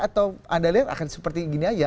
atau anda lihat akan seperti gini aja